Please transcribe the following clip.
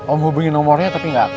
om hubungin nomornya tapi gak aktif